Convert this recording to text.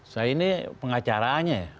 saya ini pengacaraannya